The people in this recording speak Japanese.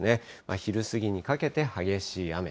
昼過ぎにかけて激しい雨。